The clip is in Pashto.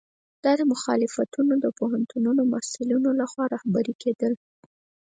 دا مخالفتونه د پوهنتون محصلینو لخوا رهبري کېدل.